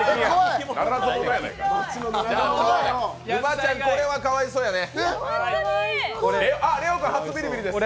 沼ちゃん、これはかわいそうやね。